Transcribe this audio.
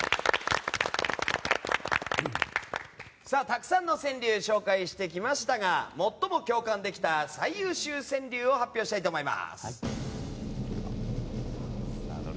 たくさんの川柳紹介してきましたが最も共感できた最優秀川柳を発表したいと思います。